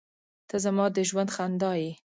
• ته زما د ژوند خندا یې.